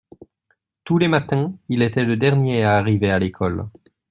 Tous les matins il était le dernier à arriver à l’école.